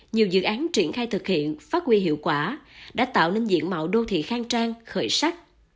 nhiều dự án triển khai thực hiện phát quy hiệu quả đã tạo nên diện mạo đô thị khang trang khởi sắc